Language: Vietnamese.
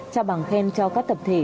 trao bằng khen cho các tập thể